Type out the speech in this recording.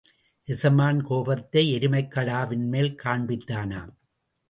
எசமான் கோபத்தை எருமைக் கடாவின்மேல் காண்பித்தானாம்.